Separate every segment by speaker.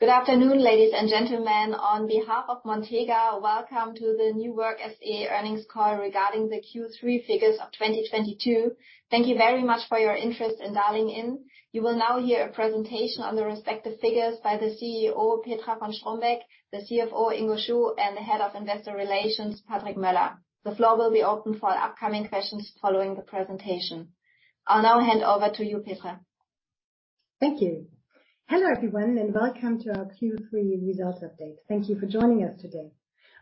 Speaker 1: Good afternoon, ladies and gentlemen. On behalf of Montega AG, welcome to the New Work SE earnings call regarding the Q3 figures of 2022. Thank you very much for your interest in dialing in. You will now hear a presentation on the respective figures by the CEO, Petra von Strombeck, the CFO, Ingo Chu, and the Head of Investor Relations, Patrick Möller. The floor will be open for upcoming questions following the presentation. I'll now hand over to you, Petra.
Speaker 2: Thank you. Hello, everyone, and welcome to our Q3 results update. Thank you for joining us today.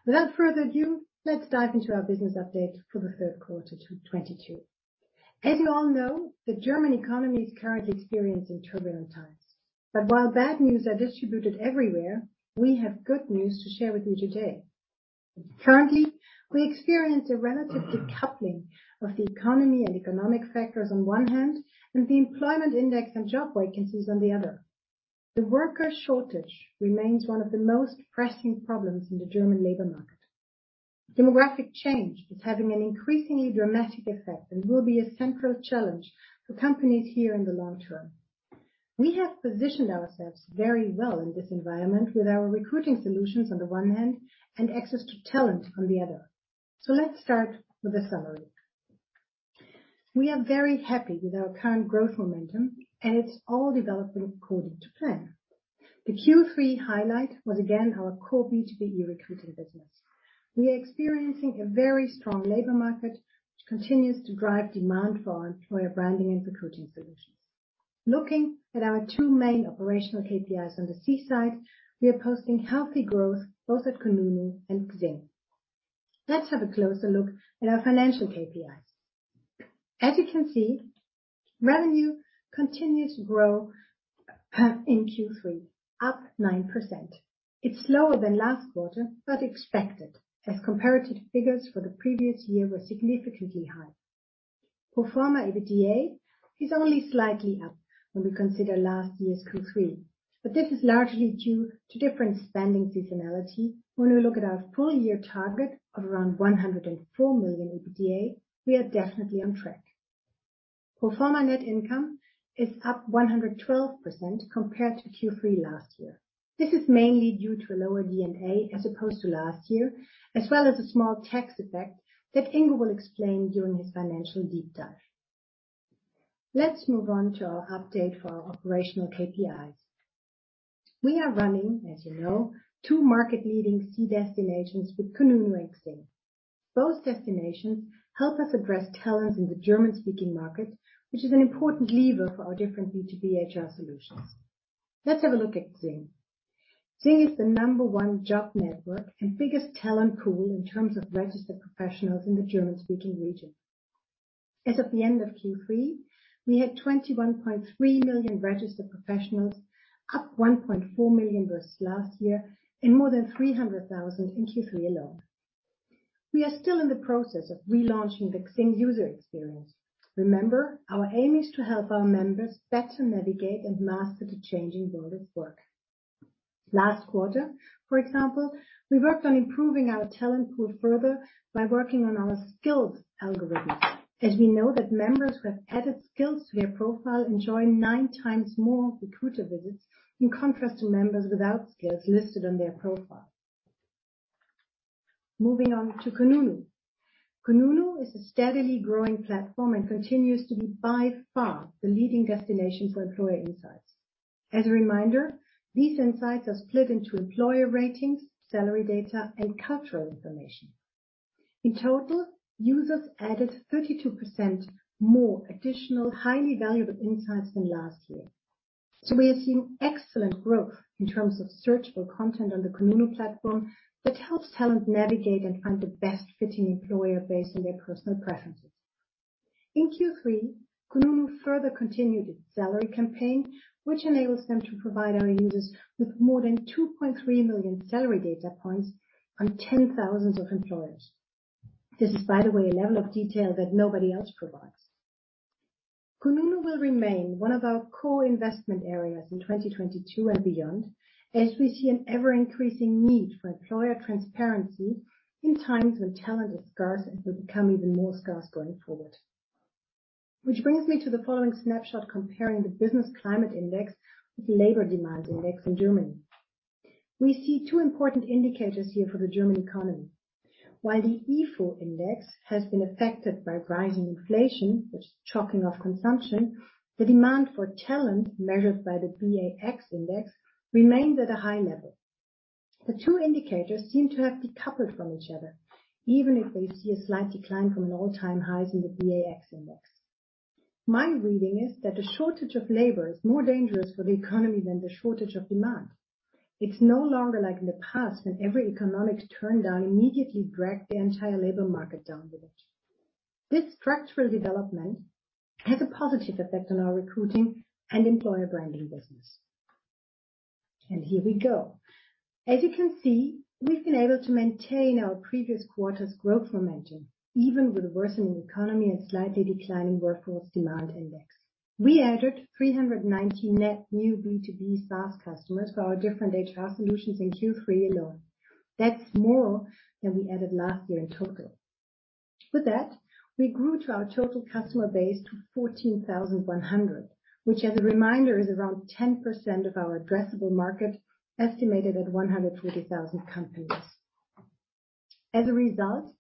Speaker 2: Without further ado, let's dive into our business update for the third quarter 2022. As you all know, the German economy is currently experiencing turbulent times. While bad news are distributed everywhere, we have good news to share with you today. Currently, we experience a relative decoupling of the economy and economic factors on one hand, and the employment index and job vacancies on the other. The worker shortage remains one of the most pressing problems in the German labor market. Demographic change is having an increasingly dramatic effect and will be a central challenge for companies here in the long term. We have positioned ourselves very well in this environment with our recruiting solutions on the one hand and access to talent on the other. Let's start with the summary. We are very happy with our current growth momentum, and it's all developing according to plan. The Q3 highlight was again our core B2B e-recruiting business. We are experiencing a very strong labor market, which continues to drive demand for our employer branding and recruiting solutions. Looking at our two main operational KPIs on the C side, we are posting healthy growth both at kununu and XING. Let's have a closer look at our financial KPIs. As you can see, revenue continues to grow in Q3, up 9%. It's slower than last quarter, but expected, as comparative figures for the previous year were significantly high. Pro forma EBITDA is only slightly up when we consider last year's Q3, but this is largely due to different spending seasonality. When we look at our full year target of around 104 million EBITDA, we are definitely on track. Pro forma net income is up 112% compared to Q3 last year. This is mainly due to a lower D&A as opposed to last year, as well as a small tax effect that Ingo Chu will explain during his financial deep dive. Let's move on to our update for our operational KPIs. We are running, as you know, two market-leading key destinations with kununu and XING. Both destinations help us address talent in the German-speaking market, which is an important lever for our different B2B HR solutions. Let's have a look at XING. XING is the number one job network and biggest talent pool in terms of registered professionals in the German-speaking region. As of the end of Q3, we had 21.3 million registered professionals, up 1.4 million versus last year and more than 300,000 in Q3 alone. We are still in the process of relaunching the XING user experience. Remember, our aim is to help our members better navigate and master the changing world of work. Last quarter, for example, we worked on improving our talent pool further by working on our skills algorithm. As we know that members who have added skills to their profile enjoy nine times more recruiter visits in contrast to members without skills listed on their profile. Moving on to kununu. kununu is a steadily growing platform and continues to be by far the leading destination for employer insights. As a reminder, these insights are split into employer ratings, salary data, and cultural information. In total, users added 32% more additional, highly valuable insights than last year. We are seeing excellent growth in terms of searchable content on the kununu platform that helps talent navigate and find the best fitting employer based on their personal preferences. In Q3, kununu further continued its salary campaign, which enables them to provide our users with more than 2.3 million salary data points on 10,000 employers. This is, by the way, a level of detail that nobody else provides. kununu will remain one of our core investment areas in 2022 and beyond, as we see an ever-increasing need for employer transparency in times when talent is scarce and will become even more scarce going forward. Which brings me to the following snapshot comparing the Business Climate Index with Labor Demand Index in Germany. We see two important indicators here for the German economy. While the Ifo index has been affected by rising inflation, which is chopping off consumption, the demand for talent measured by the BA-X index remains at a high level. The two indicators seem to have decoupled from each other, even if we see a slight decline from an all-time high from the BA-X index. My reading is that the shortage of labor is more dangerous for the economy than the shortage of demand. It's no longer like in the past when every economic downturn immediately dragged the entire labor market down with it. This structural development has a positive effect on our recruiting and employer branding business. Here we go. As you can see, we've been able to maintain our previous quarter's growth momentum, even with a worsening economy and slightly declining workforce demand index. We added 390 net new B2B SaaS customers for our different HR solutions in Q3 alone. That's more than we added last year in total. With that, we grew to our total customer base to 14,100, which as a reminder, is around 10% of our addressable market, estimated at 130,000 companies. As a result,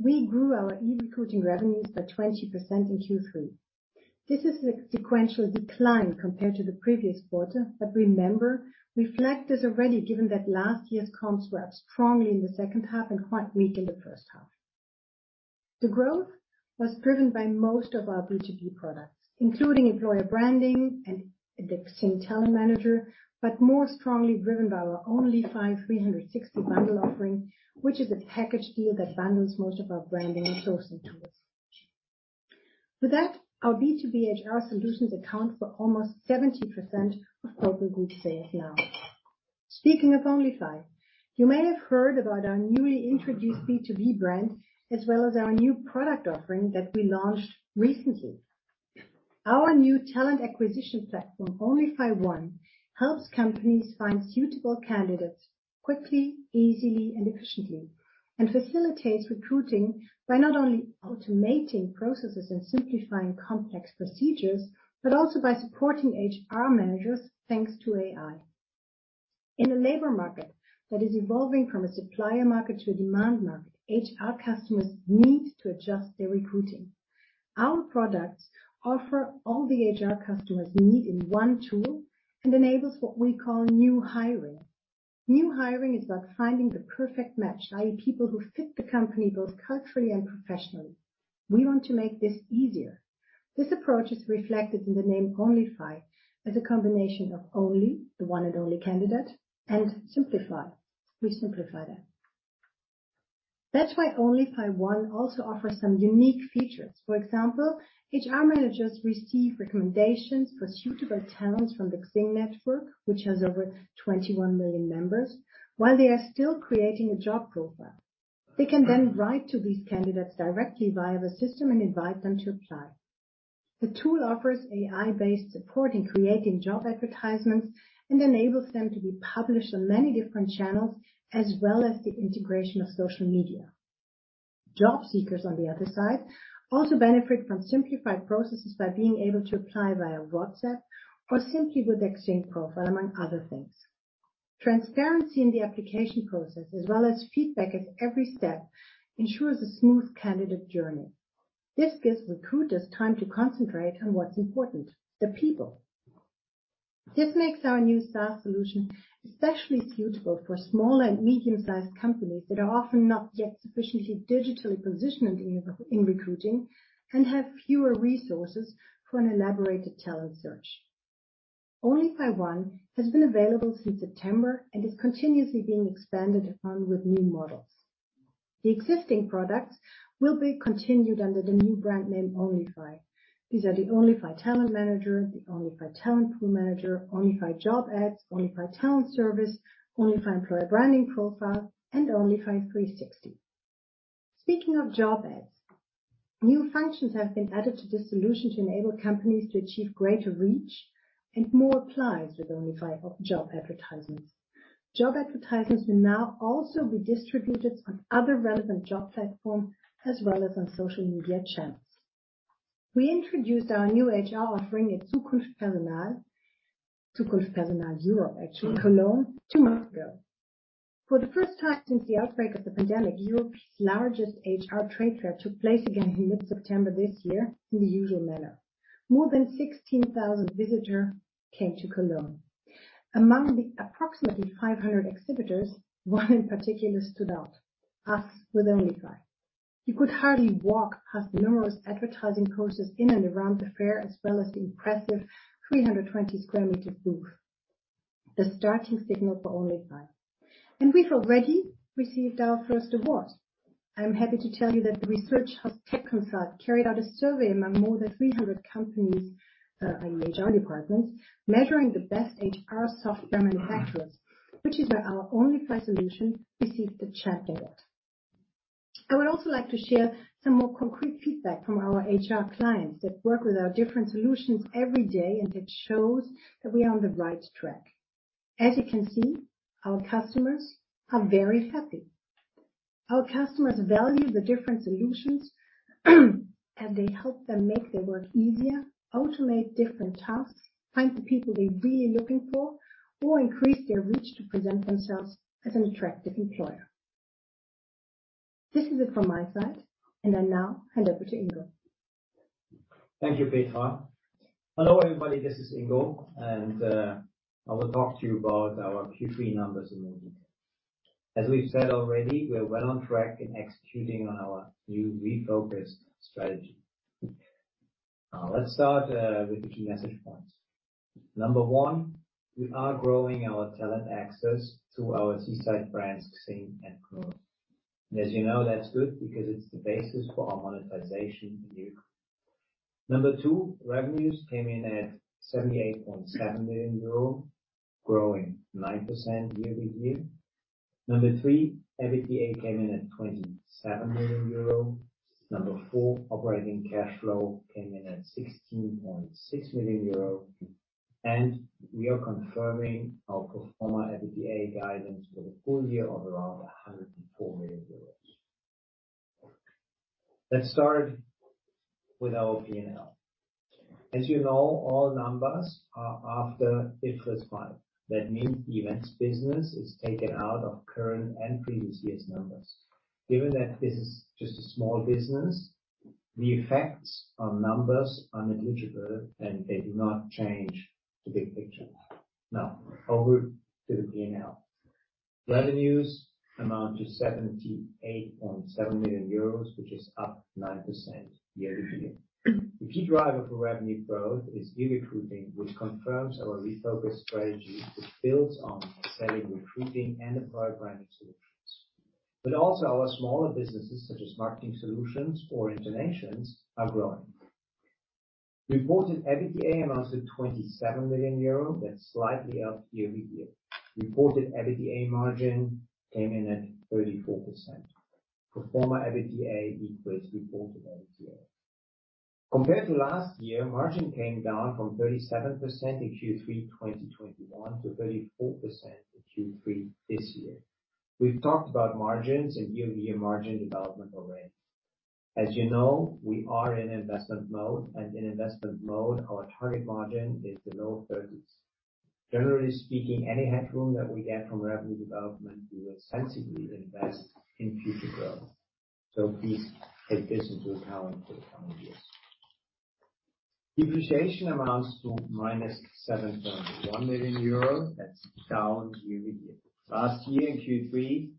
Speaker 2: we grew our e-recruiting revenues by 20% in Q3. This is a sequential decline compared to the previous quarter. Remember, we flagged this already, given that last year's comps were up strongly in the second half and quite weak in the first half. The growth was driven by most of our B2B products, including employer branding and the XING TalentManager, but more strongly driven by our onlyfy 360 bundle offering, which is a package deal that bundles most of our branding and sourcing tools. With that, our B2B HR solutions account for almost 70% of total group sales now. Speaking of onlyfy, you may have heard about our newly introduced B2B brand as well as our new product offering that we launched recently. Our new talent acquisition platform, onlyfy one, helps companies find suitable candidates quickly, easily and efficiently. Facilitates recruiting by not only automating processes and simplifying complex procedures, but also by supporting HR managers, thanks to AI. In a labor market that is evolving from a supplier market to a demand market, HR customers need to adjust their recruiting. Our products offer all the HR customers need in one tool and enables what we call new hiring. New hiring is about finding the perfect match, i.e., people who fit the company both culturally and professionally. We want to make this easier. This approach is reflected in the name onlyfy as a combination of only, the one and only candidate, and simplify. We simplify that. That's why onlyfy one also offers some unique features. For example, HR managers receive recommendations for suitable talents from the XING network, which has over 21 million members while they are still creating a job profile. They can then write to these candidates directly via the system and invite them to apply. The tool offers AI-based support in creating job advertisements and enables them to be published on many different channels as well as the integration of social media. Job seekers, on the other side, also benefit from simplified processes by being able to apply via WhatsApp or simply with their XING profile, among other things. Transparency in the application process as well as feedback at every step ensures a smooth candidate journey. This gives recruiters time to concentrate on what's important, the people. This makes our new SaaS solution especially suitable for small and medium-sized companies that are often not yet sufficiently digitally positioned in recruiting and have fewer resources for an elaborated talent search. onlyfy one has been available since September and is continuously being expanded upon with new models. The existing products will be continued under the new brand name onlyfy. These are the onlyfy TalentManager, the onlyfy TalentpoolManager, onlyfy Job Ads, onlyfy TalentService, onlyfy Employer Branding Profile, and onlyfy 360. Speaking of job ads, new functions have been added to this solution to enable companies to achieve greater reach and more applications with onlyfy job advertisements. Job advertisements will now also be distributed on other relevant job platforms as well as on social media channels. We introduced our new HR offering at Zukunft Personal, Zukunft Personal Europe actually, Cologne two months ago. For the first time since the outbreak of the pandemic, Europe's largest HR trade fair took place again in mid-September this year in the usual manner. More than 16,000 visitors came to Cologne. Among the approximately 500 exhibitors, one in particular stood out. Us with onlyfy. You could hardly walk past numerous advertising posters in and around the fair, as well as the impressive 320 sq m booth. The starting signal for onlyfy. We've already received our first award. I'm happy to tell you that the research house techconsult carried out a survey among more than 300 companies, and HR departments measuring the best HR software manufacturers, which is where our onlyfy solution received a check mark. I would also like to share some more concrete feedback from our HR clients that work with our different solutions every day, and it shows that we are on the right track. As you can see, our customers are very happy. Our customers value the different solutions as they help them make their work easier, automate different tasks, find the people they're really looking for, or increase their reach to present themselves as an attractive employer. This is it from my side, and I now hand over to Ingo.
Speaker 3: Thank you, Petra. Hello, everybody, this is Ingo, and I will talk to you about our Q3 numbers in more detail. As we've said already, we are well on track in executing our new refocused strategy. Let's start with the key message points. Number one, we are growing our talent access to our C-side brands, XING and kununu. As you know, that's good because it's the basis for our monetization here. Number two, revenues came in at 78.7 million euro, growing 9% year-over-year. Number three, EBITDA came in at 27 million euro. Number four, operating cash flow came in at 16.6 million euro. We are confirming our pro forma EBITDA guidance for the full year of around 104 million euros. Let's start with our P&L. As you know, all numbers are after IFRS 5. That means the events business is taken out of current and previous year's numbers. Given that this is just a small business, the effects on numbers are negligible, and they do not change the big picture. Now, over to the P&L. Revenues amount to 78.7 million euros, which is up 9% year-over-year. The key driver for revenue growth is e-recruiting, which confirms our refocused strategy, which builds on selling recruiting and employer branding solutions. But also our smaller businesses such as marketing solutions or InterNations are growing. Reported EBITDA amounts to 27 million euro. That's slightly up year-over-year. Reported EBITDA margin came in at 34%. Pro forma EBITDA equals reported EBITDA. Compared to last year, margin came down from 37% in Q3 2021 to 34% in Q3 this year. We've talked about margins and year-over-year margin development already. As you know, we are in investment mode, and in investment mode, our target margin is the low 30s%. Generally speaking, any headroom that we get from revenue development, we will sensibly invest in future growth. Please take this into account for the coming years. Depreciation amounts to -7.1 million euros. That's down year-over-year. Last year in Q3,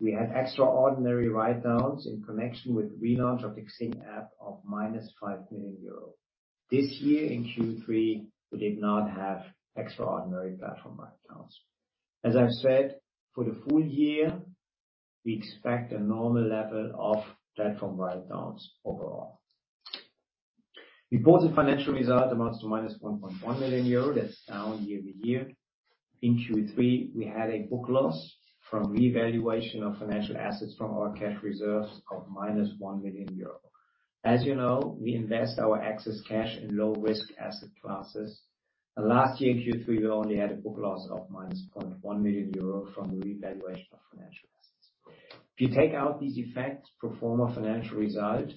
Speaker 3: we had extraordinary write-downs in connection with relaunch of the XING app of -5 million euro. This year in Q3, we did not have extraordinary platform write-downs. As I've said, for the full year, we expect a normal level of platform write-downs overall. Reported financial result amounts to -1.1 million euro. That's down year-over-year. In Q3, we had a book loss from revaluation of financial assets from our cash reserves of -1 million euro. As you know, we invest our excess cash in low risk asset classes. Last year in Q3, we only had a book loss of -0.1 million euro from revaluation of financial assets. If you take out these effects, pro forma financial result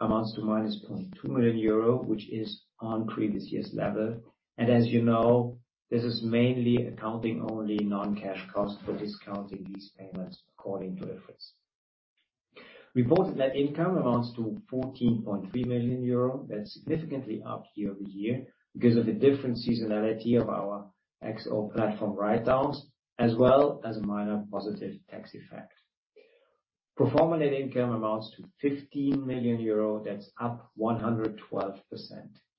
Speaker 3: amounts to -0.2 million euro, which is on previous year's level. As you know, this is mainly accounting only non-cash cost for discounting these payments according to IFRS. Reported net income amounts to 14.3 million euro. That's significantly up year-over-year because of the different seasonality of our XING platform write-downs, as well as a minor positive tax effect. Pro forma net income amounts to 15 million euro. That's up 112%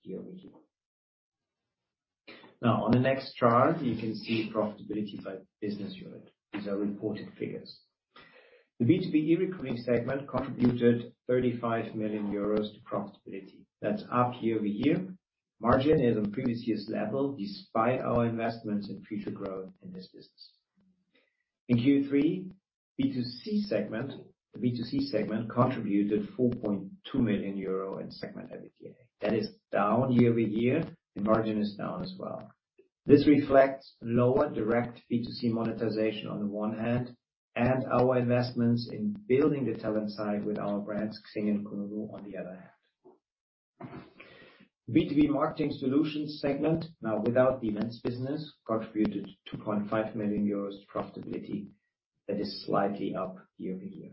Speaker 3: year-over-year. Now, on the next chart, you can see profitability by business unit. These are reported figures. The B2B e-recruiting segment contributed 35 million euros to profitability. That's up year-over-year. Margin is on previous year's level despite our investments in future growth in this business. In Q3, the B2C segment contributed 4.2 million euro in segment EBITDA. That is down year-over-year. The margin is down as well. This reflects lower direct B2C monetization on the one hand, and our investments in building the talent side with our brands, XING and kununu, on the other hand. B2B marketing solutions segment, now without the events business, contributed 2.5 million euros to profitability. That is slightly up year-over-year.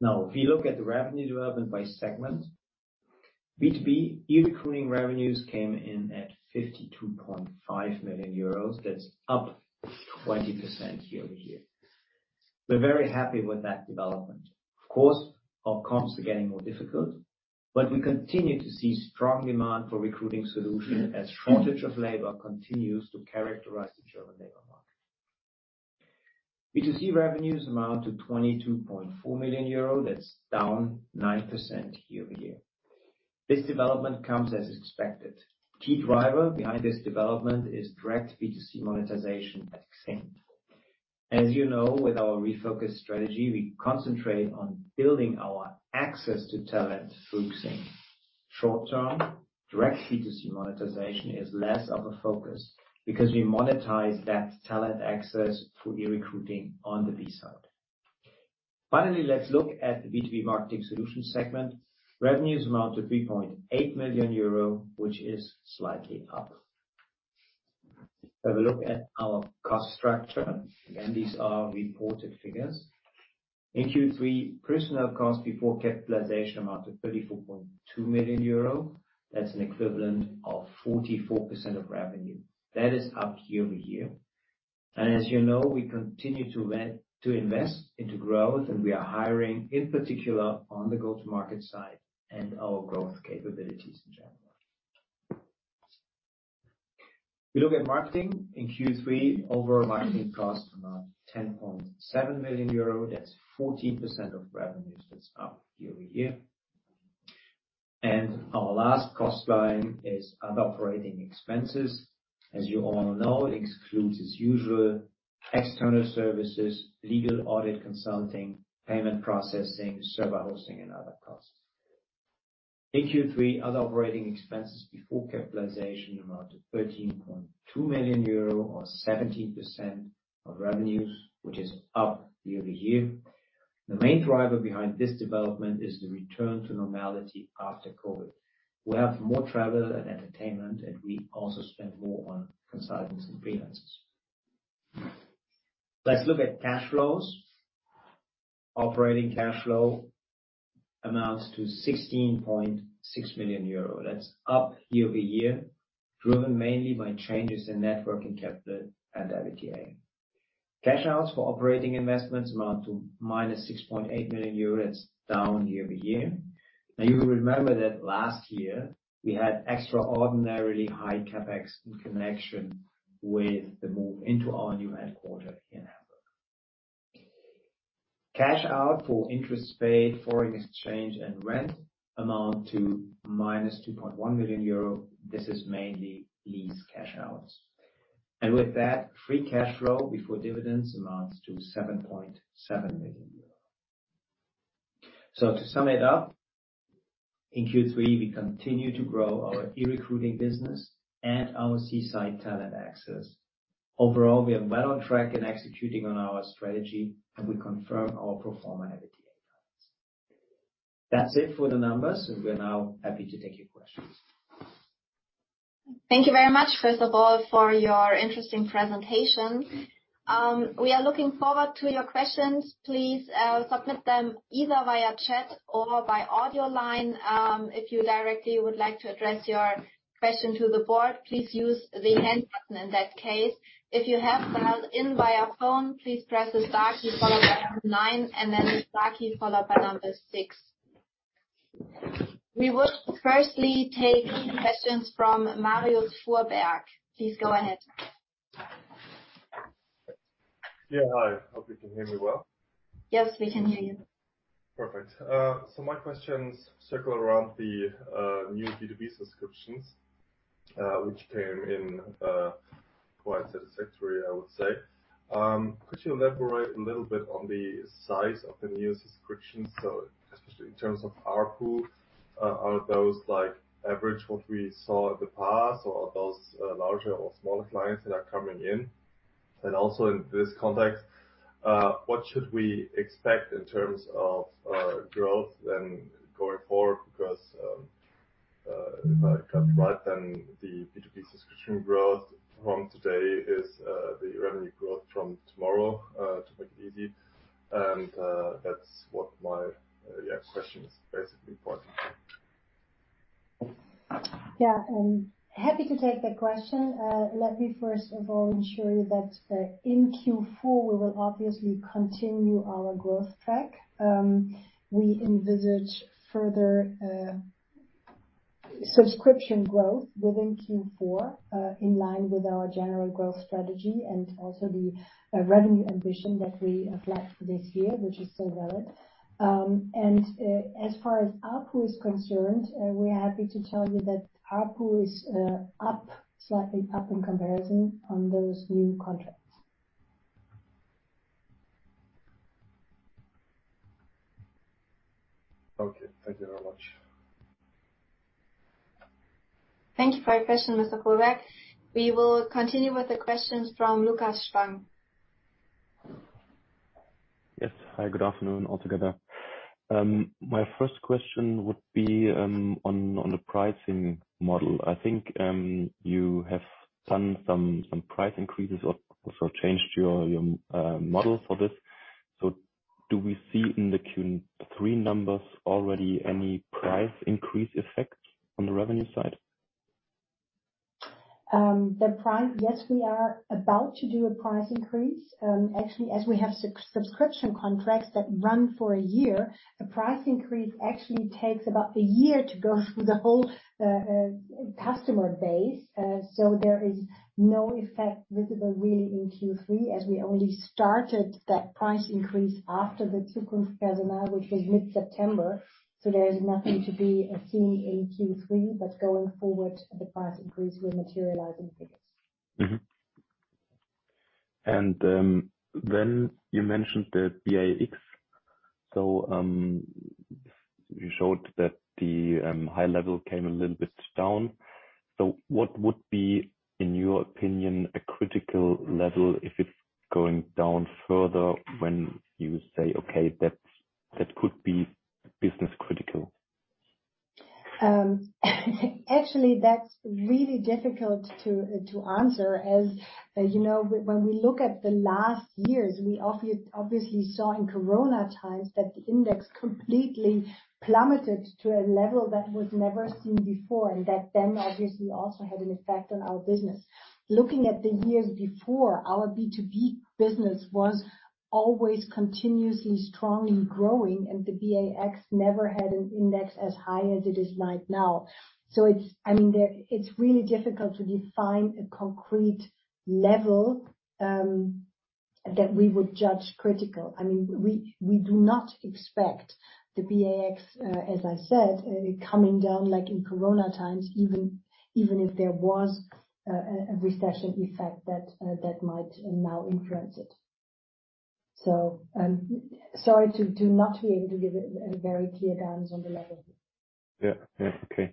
Speaker 3: Now, if you look at the revenue development by segment, B2B e-recruiting revenues came in at 52.5 million euros. That's up 20% year-over-year. We're very happy with that development. Of course, our comps are getting more difficult, but we continue to see strong demand for recruiting solutions as shortage of labor continues to characterize the German labor market. B2C revenues amount to 22.4 million euro. That's down 9% year-over-year. This development comes as expected. Key driver behind this development is direct B2C monetization at XING. As you know, with our refocused strategy, we concentrate on building our access to talent through XING. Short term, direct B2C monetization is less of a focus because we monetize that talent access through e-recruiting on the B side. Finally, let's look at the B2B marketing solutions segment. Revenues amount to 3.8 million euro, which is slightly up. Have a look at our cost structure. Again, these are reported figures. In Q3, personnel costs before capitalization amount to 34.2 million euro. That's an equivalent of 44% of revenue. That is up year-over-year. As you know, we continue to invest into growth, and we are hiring, in particular, on the go-to-market side and our growth capabilities in general. If you look at marketing, in Q3, overall marketing costs amount to 10.7 million euro. That's 14% of revenues. That's up year-over-year. Our last cost line is other operating expenses. As you all know, excludes as usual external services, legal, audit, consulting, payment processing, server hosting and other costs. In Q3, other operating expenses before capitalization amount to 13.2 million euro or 17% of revenues, which is up year-over-year. The main driver behind this development is the return to normality after COVID. We have more travel and entertainment, and we also spend more on consultants and freelancers. Let's look at cash flows. Operating cash flow amounts to 16.6 million euro. That's up year-over-year, driven mainly by changes in net working capital at EBITDA. Cash outs for operating investments amount to -6.8 million euros, down year-over-year. You will remember that last year we had extraordinarily high CapEx in connection with the move into our new headquarters here in Hamburg. Cash out for interest paid, foreign exchange, and rent amounts to -2.1 million euro. This is mainly lease cash outs. With that, free cash flow before dividends amounts to 7.7 million euros. To sum it up, in Q3, we continue to grow our e-recruiting business and our C side Talent Access. Overall, we are well on track in executing on our strategy, and we confirm our pro forma EBITDA guidance. That's it for the numbers, and we're now happy to take your questions.
Speaker 1: Thank you very much, first of all, for your interesting presentation. We are looking forward to your questions. Please, submit them either via chat or by audio line. If you directly would like to address your question to the board, please use the hand button in that case. If you have dialed in via phone, please press the star key followed by number nine, and then star key followed by number six. We will firstly take questions from Marius Fuhrberg. Please go ahead.
Speaker 4: Yeah. Hi. Hope you can hear me well.
Speaker 1: Yes, we can hear you.
Speaker 4: Perfect. My questions circle around the new B2B subscriptions, which came in quite satisfactory, I would say. Could you elaborate a little bit on the size of the new subscriptions, so especially in terms of ARPU? Are those like average what we saw in the past, or are those larger or smaller clients that are coming in? Also in this context, what should we expect in terms of growth then going forward? Because if I got it right, then the B2B subscription growth from today is the revenue growth from tomorrow to make it easy. That's what my yeah question is basically for today.
Speaker 2: Yeah. Happy to take that question. Let me first of all ensure you that, in Q4 we will obviously continue our growth track. We envisage further, subscription growth within Q4, in line with our general growth strategy and also the revenue ambition that we flagged this year, which is still valid. As far as ARPU is concerned, we are happy to tell you that ARPU is, up, slightly up in comparison on those new contracts.
Speaker 4: Okay. Thank you very much.
Speaker 1: Thank you for your question, Mr. Fuhrberg. We will continue with the questions from Lukas Spang.
Speaker 5: Yes. Hi, good afternoon altogether. My first question would be on the pricing model. I think you have done some price increases or also changed your model for this. Do we see in the Q3 numbers already any price increase effects on the revenue side?
Speaker 2: Yes, we are about to do a price increase. Actually as we have subscription contracts that run for a year, the price increase actually takes about a year to go through the whole customer base. There is no effect visible really in Q3, as we only started that price increase after the Zukunft Personal, which was mid-September. There is nothing to be seen in Q3, but going forward the price increase will materialize in the figures.
Speaker 5: Mm-hmm. Then you mentioned the BA-X. You showed that the high level came a little bit down. What would be, in your opinion, a critical level if it's going down further when you say, "Okay, that could be business critical?
Speaker 2: Actually, that's really difficult to answer. As you know, when we look at the last years, we obviously saw in corona times that the index completely plummeted to a level that was never seen before, and that then obviously also had an effect on our business. Looking at the years before, our B2B business was always continuously strongly growing, and the BA-X never had an index as high as it is right now. It's really difficult to define a concrete level that we would judge critical. I mean, we do not expect the BA-X, as I said, coming down like in corona times, even if there was a recession effect that might now influence it. Sorry to not be able to give a very clear guidance on the level.
Speaker 5: Yeah. Yeah. Okay.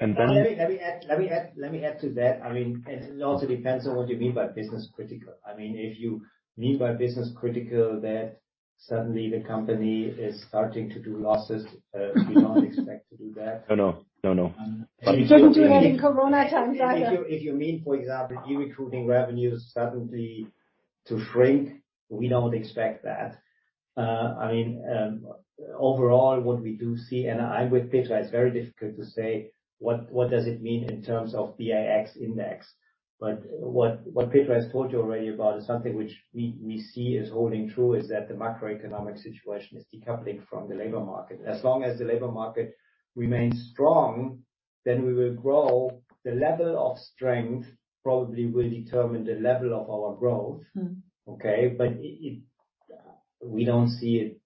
Speaker 3: Let me add to that. I mean, it also depends on what you mean by business critical. I mean, if you mean by business critical that suddenly the company is starting to do losses, we don't expect to do that.
Speaker 5: No, no.
Speaker 2: We didn't do that in corona times either.
Speaker 3: If you mean, for example, e-recruiting revenues suddenly to shrink, we don't expect that. I mean, overall, what we do see, and I'm with Petra, it's very difficult to say what does it mean in terms of BA-X index. What Petra has told you already about is something which we see is holding true is that the macroeconomic situation is decoupling from the labor market. As long as the labor market remains strong, then we will grow. The level of strength probably will determine the level of our growth.
Speaker 2: Mm-hmm.
Speaker 3: Okay? We don't see it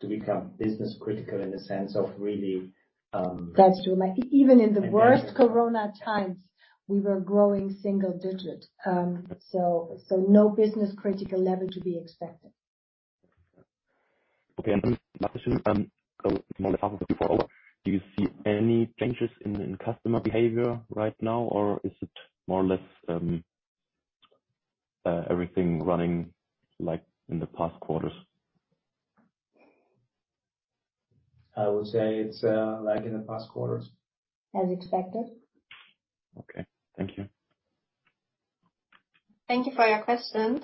Speaker 3: to become business critical in the sense of really.
Speaker 2: That's true. Even in the worst corona times, we were growing single digit. No business critical level to be expected.
Speaker 5: Okay. Last question, so small follow-up before over. Do you see any changes in customer behavior right now, or is it more or less, everything running like in the past quarters?
Speaker 3: I would say it's like in the past quarters.
Speaker 2: As expected.
Speaker 5: Okay. Thank you.
Speaker 1: Thank you for your questions.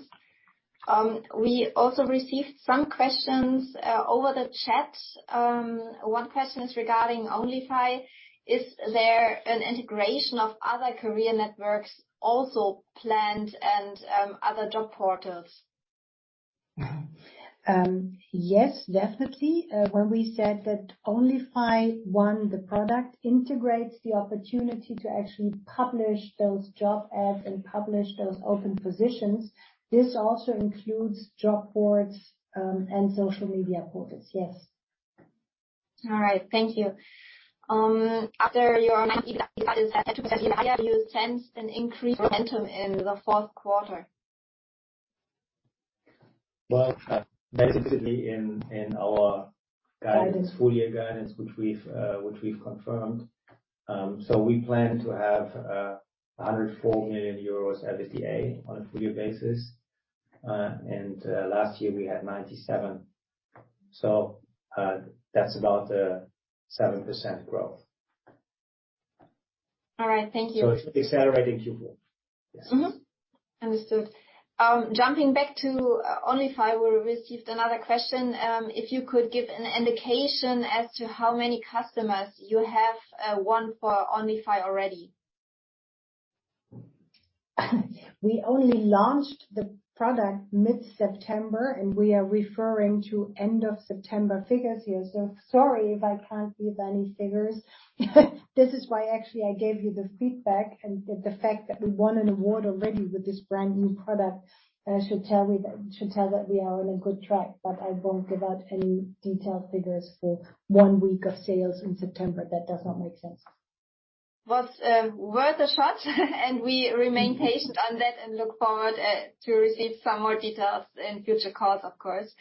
Speaker 1: We also received some questions over the chat. One question is regarding onlyfy. Is there an integration of other career networks also planned and other job portals?
Speaker 2: Yes, definitely. When we said that onlyfy one, the product, integrates the opportunity to actually publish those job ads and publish those open positions. This also includes job boards, and social media portals. Yes.
Speaker 1: All right. Thank you. After your 92% EBITDA, do you sense an increased momentum in the fourth quarter?
Speaker 3: Well, basically in our guidance.
Speaker 2: Guidance
Speaker 3: Full-year guidance, which we've confirmed. We plan to have 104 million euros EBITDA on a full-year basis. Last year we had 97. That's about 7% growth.
Speaker 1: All right. Thank you.
Speaker 3: It's accelerating Q4. Yes.
Speaker 1: Understood. Jumping back to onlyfy, we received another question. If you could give an indication as to how many customers you have won for onlyfy already.
Speaker 2: We only launched the product mid-September, and we are referring to end of September figures here, so sorry if I can't give any figures. This is why actually I gave you the feedback and the fact that we won an award already with this brand new product, should tell that we are on a good track, but I won't give out any detailed figures for one week of sales in September. That does not make sense.
Speaker 1: Was worth a shot, and we remain patient on that and look forward to receive some more details in future calls, of course.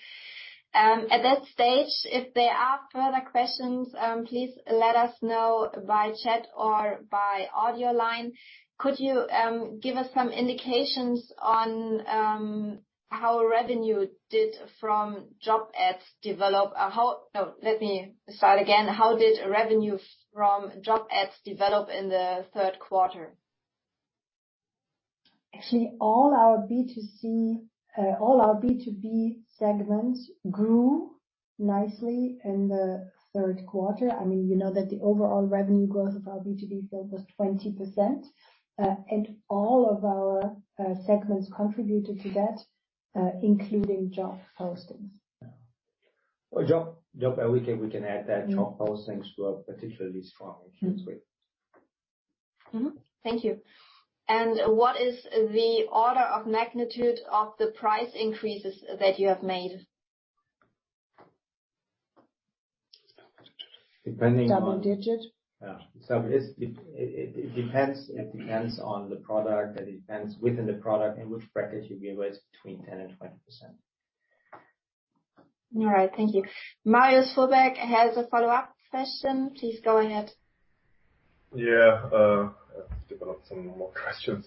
Speaker 1: At this stage, if there are further questions, please let us know by chat or by audio line. Could you give us some indications on how revenue from job ads developed in the third quarter?
Speaker 2: Actually, all our B2C, all our B2B segments grew nicely in the third quarter. I mean, you know that the overall revenue growth of our B2B sales was 20%. All of our segments contributed to that, including job postings.
Speaker 3: We can add that job postings were particularly strong in Q3.
Speaker 1: Mm-hmm. Thank you. What is the order of magnitude of the price increases that you have made?
Speaker 3: Depending on.
Speaker 2: Double digit.
Speaker 3: It depends. It depends on the product. It depends within the product in which bracket you give a raise between 10% and 20%.
Speaker 1: All right. Thank you. Marius Fuhrberg has a follow-up question. Please go ahead.
Speaker 4: Yeah. I've developed some more questions.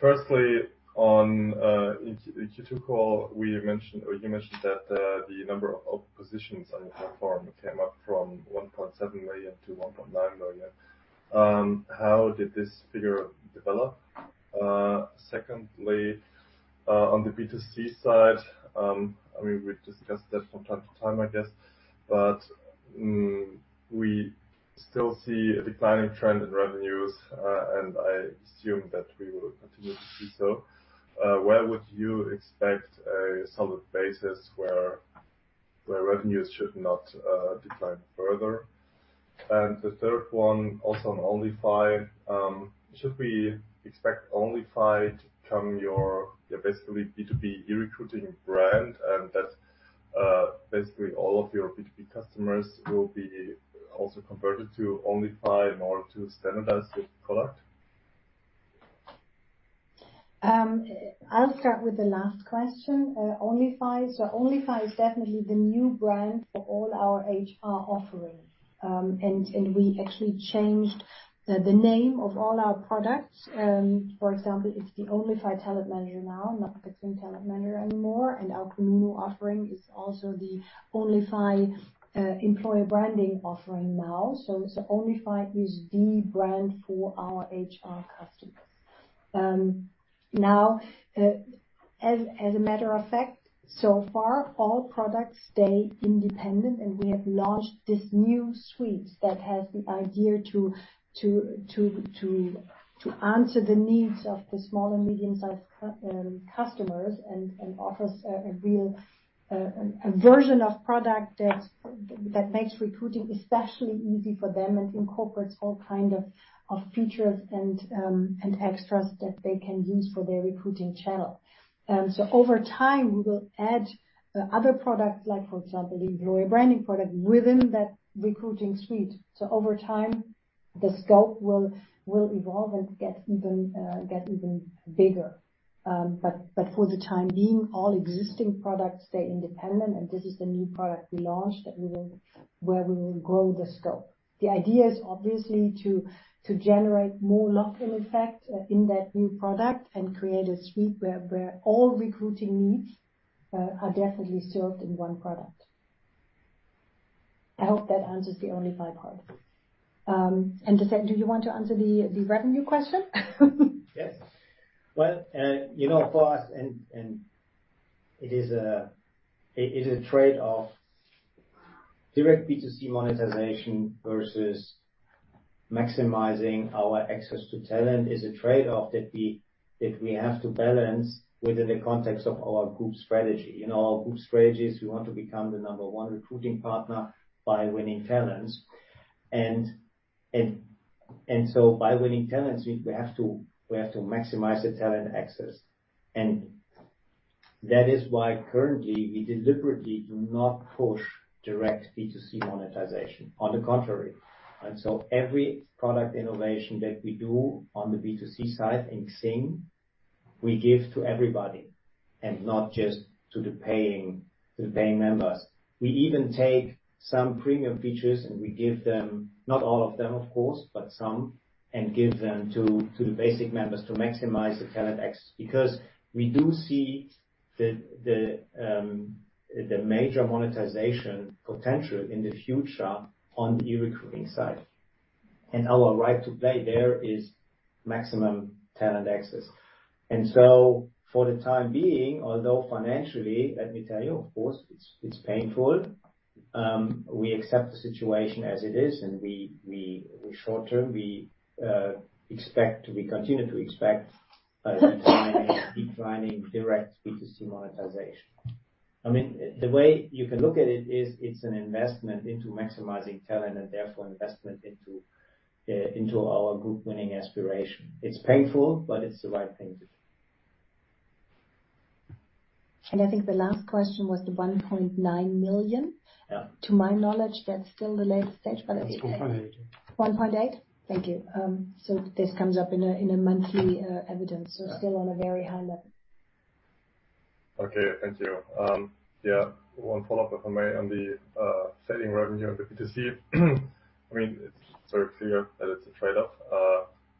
Speaker 4: Firstly, on the Q2 call, we mentioned or you mentioned that the number of positions on your platform came up from 1.7 million to 1.9 million. How did this figure develop? Secondly, on the B2C side, I mean, we've discussed that from time to time, I guess, but we still see a declining trend in revenues, and I assume that we will continue to see so. Where would you expect a solid basis where revenues should not decline further? The third one, also on onlyfy. Should we expect onlyfy to become your basically B2B e-recruiting brand, and that basically all of your B2B customers will be also converted to onlyfy in order to standardize the product?
Speaker 2: I'll start with the last question. onlyfy. onlyfy is definitely the new brand for all our HR offerings. We actually changed the name of all our products. For example, it's the onlyfy TalentManager now, not the XING TalentManager anymore. Our community offering is also the onlyfy Employer Branding offering now. onlyfy is the brand for our HR customers. Now, as a matter of fact, so far, all products stay independent, and we have launched this new suite that has the idea to answer the needs of the small and medium-sized customers and offers a real version of product that makes recruiting especially easy for them and incorporates all kind of features and extras that they can use for their recruiting channel. Over time, we will add the other products like, for example, the employer branding product within that recruiting suite. Over time, the scope will evolve and get even bigger. For the time being, all existing products stay independent. This is the new product we launched where we will grow the scope. The idea is obviously to generate more lock-in effect in that new product and create a suite where all recruiting needs are definitely served in one product. I hope that answers the onlyfy part. Ingo, do you want to answer the revenue question?
Speaker 3: Yes. Well, you know, for us, it is a trade-off. Direct B2C monetization versus maximizing our access to talent is a trade-off that we have to balance within the context of our group strategy. You know, our group strategy is we want to become the number one recruiting partner by winning talents. So by winning talents, we have to maximize the talent access. That is why currently we deliberately do not push direct B2C monetization. On the contrary. Every product innovation that we do on the B2C side in XING, we give to everybody, and not just to the paying members. We even take some premium features, and we give them, not all of them, of course, but some, and give them to the basic members to maximize the talent access. Because we do see the major monetization potential in the future on the e-recruiting side. Our right to play there is maximum talent access. For the time being, although financially, let me tell you, of course, it's painful, we accept the situation as it is, and short term, we continue to expect a declining direct B2C monetization. I mean, the way you can look at it is it's an investment into maximizing talent and therefore investment into our group winning aspiration. It's painful, but it's the right thing to do.
Speaker 2: I think the last question was the 1.9 million.
Speaker 3: Yeah.
Speaker 2: To my knowledge, that's still the latest stage, but it's.
Speaker 4: 1.8.
Speaker 2: 1.8? Thank you. This comes up in a monthly index, so still on a very high level.
Speaker 4: Okay, thank you. One follow-up, if I may, on the declining revenue on the B2C. I mean, it's very clear that it's a trade-off,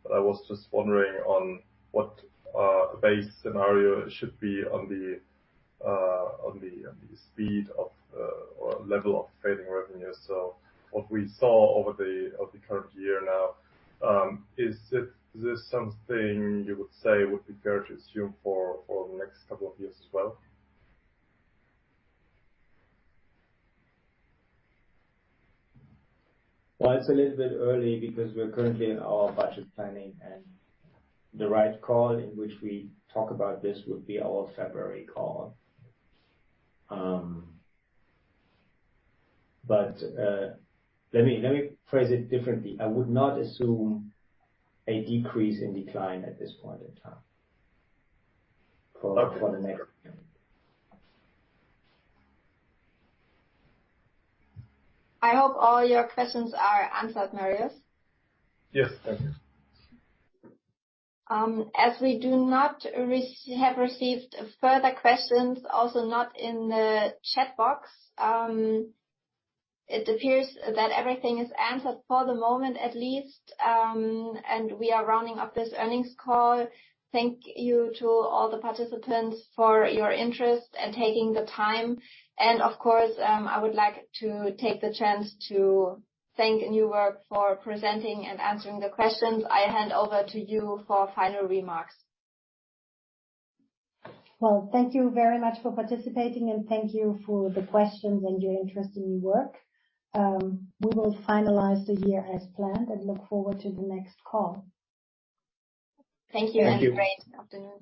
Speaker 4: but I was just wondering on what base scenario it should be on the speed or level of falling revenues. What we saw over the course of the current year now, is this something you would say would be fair to assume for the next couple of years as well?
Speaker 3: Well, it's a little bit early because we're currently in our budget planning and the right call in which we talk about this would be our February call. Let me phrase it differently. I would not assume a decrease or decline at this point in time for the next year.
Speaker 2: I hope all your questions are answered, Marius.
Speaker 4: Yes, thank you.
Speaker 1: As we have not received further questions, also not in the chat box, it appears that everything is answered for the moment at least, and we are rounding up this earnings call. Thank you to all the participants for your interest and taking the time. Of course, I would like to take the chance to thank New Work for presenting and answering the questions. I hand over to you for final remarks.
Speaker 2: Well, thank you very much for participating, and thank you for the questions and your interest in New Work. We will finalize the year as planned and look forward to the next call.
Speaker 3: Thank you.
Speaker 1: Thank you, and have a great afternoon.